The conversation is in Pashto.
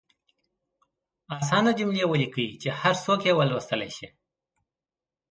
اسانه جملې ولیکئ چې هر څوک یې ولوستلئ شي.